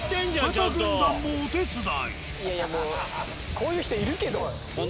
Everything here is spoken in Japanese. こういう人いるけど。